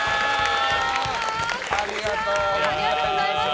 ありがとうございます。